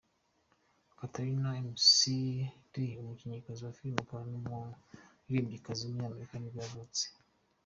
Katharine McPhee, umukinnyikazi wa filime akaba n’umuririmbyikazi w’umunyamerika nibwo yavutse.